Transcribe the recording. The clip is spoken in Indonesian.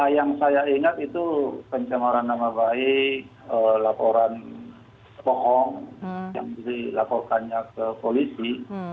yang saya ingat itu pencemaran nama baik laporan bohong yang dilaporkannya ke polisi